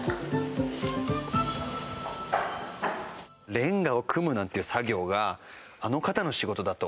レンガを組むなんていう作業があの方の仕事だとは。